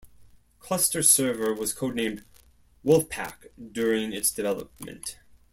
Cluster Server was codenamed "Wolfpack" during its development.